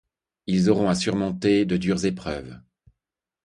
Ils auront à surmonter de dures épreuves.